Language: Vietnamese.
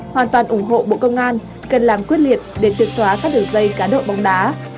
hoàn toàn ủng hộ bộ công an cần làm quyết liệt để triệt xóa các đường dây cá độ bóng đá